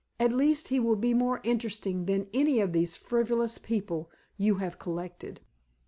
"At least he will be more interesting than any of these frivolous people you have collected."